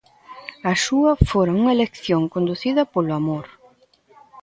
A súa fora unha elección conducida polo amor.